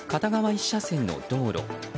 １車線の道路。